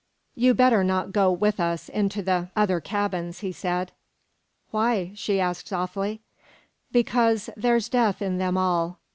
"You better not go with us into the other cabins," he said. "Why?" she asked softly. "Because there's death in them all."